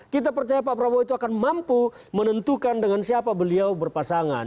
kita percaya pak prabowo itu akan mampu menentukan dengan siapa beliau berpasangan